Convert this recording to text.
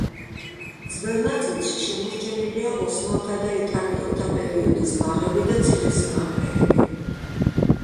ძველ ნაწილში შემორჩენილია ოსმალთა და იტალიელთა პერიოდის ბაღები და ციხესიმაგრეები.